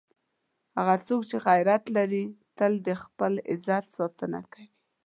هغه څوک چې غیرت لري، تل د خپل عزت ساتنه کوي.